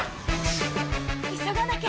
急がなきゃ。